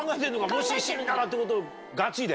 もし死んだらってことをガチで？